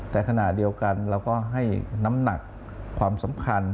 แต่ขณะเดียวกันเราก็ให้น้ำหนักความสำคัญ